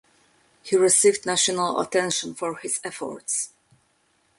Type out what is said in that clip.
He received national attention for his efforts.